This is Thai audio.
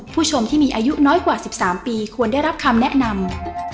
ผู้ชมที่มีอายุน้อยกว่า๑๓ปีควรได้รับคำแนะนำ